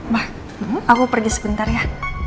bah aku pergi sebentar ya